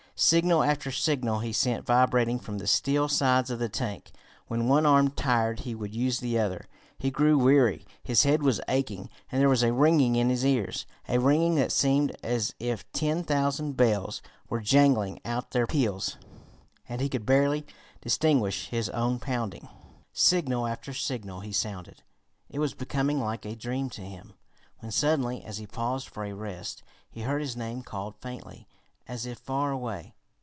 Signal after signal he sent vibrating from the steel sides of the tank. When one arm tired he would use the other. He grew weary, his head was aching, and there was a ringing in his ears; a ringing that seemed as if ten thousand bells were jangling out their peals, and he could barely distinguish his own pounding. Signal after signal he sounded. It was becoming like a dream to him, when suddenly, as he paused for a rest, he heard his name called faintly, as if far away.